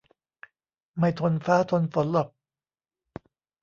ไม่ทนฟ้าทนฝนหรอก